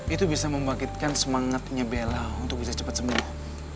itu bisa membangkitkan semangatnya bella untuk bisa cepat sembuh